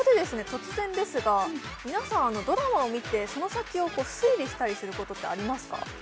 突然ですが皆さんドラマを見てその先を推理したりすることってありますか？